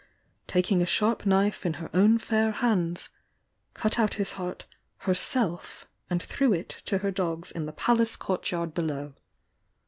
taking a sharp knife in her own fair hands, cut ri his heart herself and threw it to her dogs in the palace courtyard below!